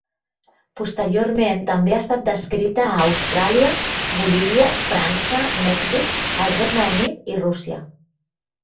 Posteriorment també ha estat descrita a Austràlia, Bolívia, França, Mèxic, el Regne Unit i Rússia.